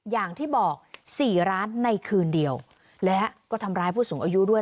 อย่างที่บอกสี่ร้านในคืนเดียวและก็ทำร้ายผู้สูงอายุด้วย